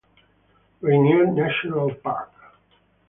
Rainier National Park.